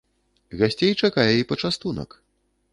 Гасцей чакае і пачастунак.